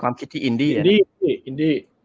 ความคิดที่อินดี